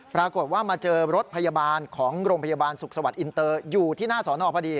ปรากฏว่ามาเจอรถพยาบาลของโรงพยาบาลสุขสวัสดิอินเตอร์อยู่ที่หน้าสอนอพอดี